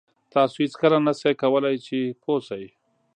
تاسو هېڅکله نه شئ کولای چې پوه شئ.